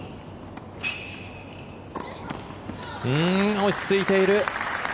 落ち着いている！